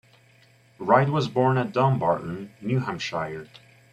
Wright was born at Dunbarton, New Hampshire.